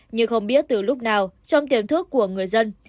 nhưng không biết từ lúc nào trong tiềm thức của người dân